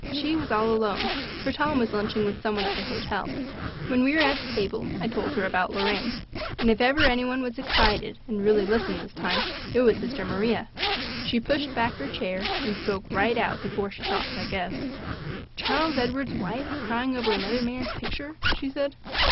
She was all alone, for Tom was lunching with some one at the hotel. When we were at the table I told her about Lorraine, and if ever any one was excited and really listened this time it was sister Maria. She pushed back her chair, and spoke right out before she thought, I guess. "Charles Edward's wife crying over another man's picture!" she said.